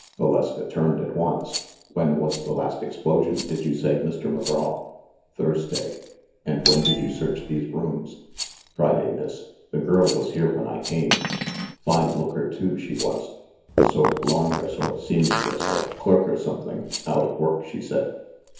Valeska turned at once. "When was the last explo sion, did you say, Mr. McGraw ?" "Thursday." "And when did you search these rooms ?" "Friday, miss. The girl was here when I came. Fine looker, too, she was. A sort of laundress or seam stress or clerk or something ; out of work, she said."